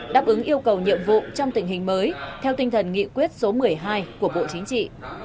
đáp ứng yêu cầu nhiệm vụ trong tình hình mới theo tinh thần nghị quyết số một mươi hai của bộ chính trị